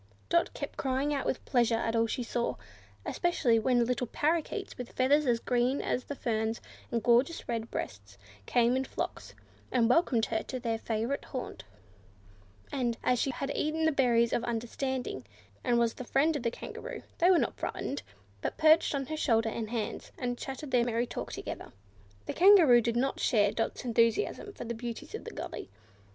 Dot kept crying out with pleasure at all she saw; especially when little Parrakeets, with feathers as green as the ferns, and gorgeous red breasts, came in flocks, and welcomed her to their favourite haunt; and, as she had eaten the berries of understanding, and was the friend of the Kangaroo, they were not frightened, but perched on her shoulders and hands, and chatted their merry talk all together. The Kangaroo did not share Dot's enthusiasm for the beauties of the gully.